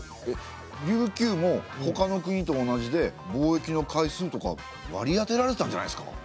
琉球もほかの国と同じで貿易の回数とか割り当てられてたんじゃないですか？